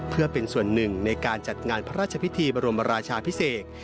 เพื่อเป็นส่วนหนึ่งในการจัดงานพระราชพิธีบรมราชาพิเศษ